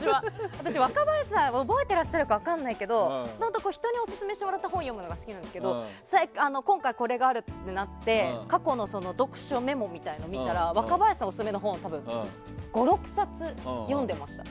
私、若林さん覚えてらっしゃるか分からないけど人にオススメしてもらった本を読むのが好きなんですけど今回、これがあるってなって過去の読書メモみたいなのを見たら若林さんオススメの本多分５６冊読んでました。